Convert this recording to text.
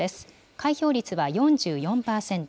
開票率は４４％。